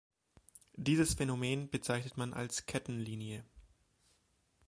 Dieses Phänomen bezeichnet man als Kettenlinie.